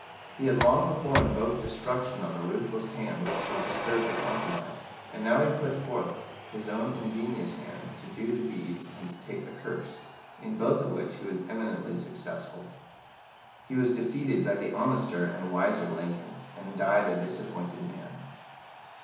"He had long before invoked destruction on the ruthless hand which should disturb the compromise, and now he put forth his own ingenious hand to do the deed and to take the curse, in both of which he was eminently successful." He was defeated by the honester and wiser Lincoln, and died a disappointed man.